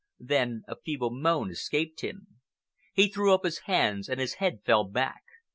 Then a feeble moan escaped him. He threw up his hands and his head fell back.